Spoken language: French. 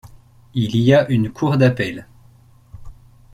Il y a une cour d'appel.